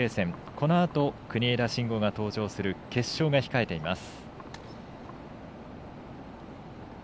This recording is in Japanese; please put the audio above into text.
このあと、国枝慎吾が登場する決勝が控えています。